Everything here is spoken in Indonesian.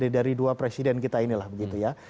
dari dua presiden kita inilah begitu ya